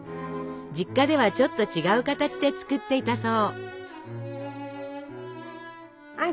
実家ではちょっと違う形で作っていたそう。